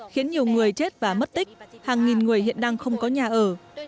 khiến nhiều người chết và mất tích hàng nghìn người hiện đang không có nhà ở